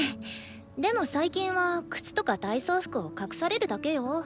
でも最近は靴とか体操服を隠されるだけよ。